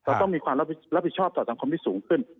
ต้องมีความรับผิดชอบต่อสังคมที่สูงขึ้น